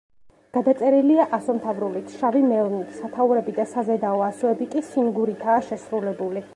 გადაწერილია ასომთავრულით შავი მელნით, სათაურები და საზედაო ასოები კი სინგურითაა შესრულებული.